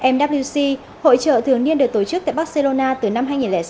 mwc hội trợ thường niên được tổ chức tại barcelona từ năm hai nghìn sáu